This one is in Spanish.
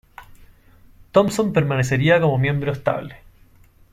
Thompson permanecería como miembro estable.